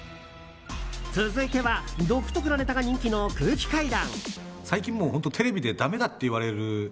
続いては、独特なネタが人気の空気階段。